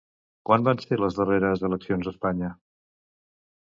Quan van ser les darreres eleccions a Espanya?